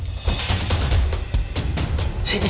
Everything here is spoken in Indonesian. ya aku sama